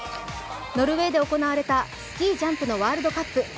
ノルウェーで行われたスキージャンプのワールドカップ。